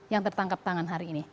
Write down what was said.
yang tertangkap tangan hari ini